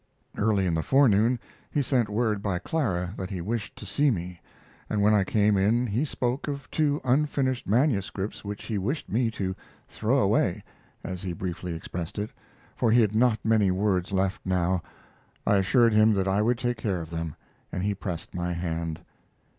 Early in the forenoon he sent word by Clara that he wished to see me, and when I came in he spoke of two unfinished manuscripts which he wished me to "throw away," as he briefly expressed it, for he had not many words left now. I assured him that I would take care of them, and he pressed my hand.